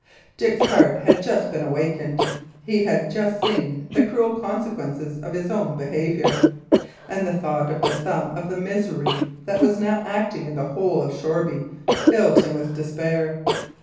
Dick's heart had just been awakened. He had just seen the cruel consequences of his own behaviour; and the thought of the sum of misery that was now acting in the whole of Shoreby filled him with despair.